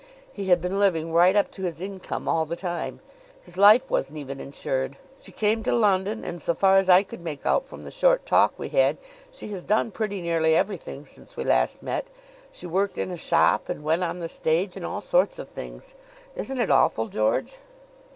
He had been living right up to his income all the time. His life wasn't even insured. She came to London; and, so far as I could make out from the short talk we had, she has done pretty nearly everything since we last met. She worked in a shop and went on the stage, and all sorts of things. Isn't it awful, George!"